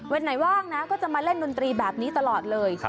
ไหนว่างนะก็จะมาเล่นดนตรีแบบนี้ตลอดเลย